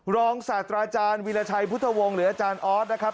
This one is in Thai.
ศาสตราอาจารย์วีรชัยพุทธวงศ์หรืออาจารย์ออสนะครับ